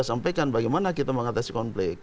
sampaikan bagaimana kita mengatasi konflik